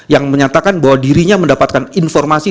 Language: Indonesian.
yang menyatakan bahwa dirinya mendapatkan informasi